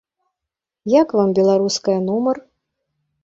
Як вам беларуская нумар?